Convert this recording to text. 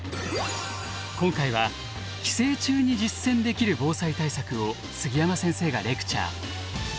今回は帰省中に実践できる防災対策を杉山先生がレクチャー。